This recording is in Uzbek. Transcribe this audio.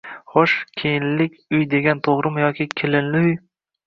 Xoʻsh, kelinlik uy degan toʻgʻrimi yoki kelinli uy